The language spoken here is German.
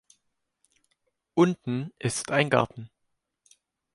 Unten ist ein Garten.